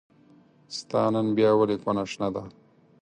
ستا نن بيا ولې کونه شنه ده